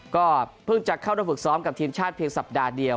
ก็เพิ่งจะเข้ามาฝึกซ้อมกับทีมชาติเพียงสัปดาห์เดียว